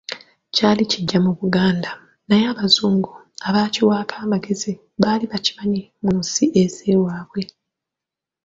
Kyali kiggya mu Buganda, naye Abazungu abaakiwaako amagezi baali bakimanyi mu nsi ez'ewaabwe.